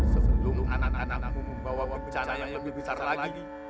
sebelum anak anakmu membawa bencana yang lebih besar lagi